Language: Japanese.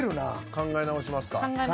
考え直します。